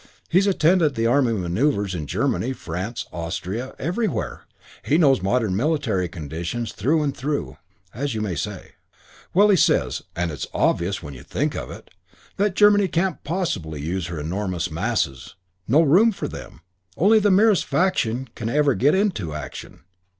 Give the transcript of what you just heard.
He's attended the army manoeuvres in Germany, France, Austria everywhere. He knows modern military conditions through and through, as you may say. Well, he says and it's obvious when you think of it that Germany can't possibly use her enormous masses. No room for them. Only the merest fraction can ever get into action.